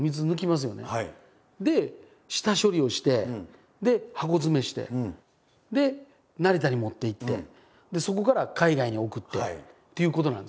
下処理をしてで箱詰めしてで成田に持って行ってそこから海外に送ってっていうことなんですよね。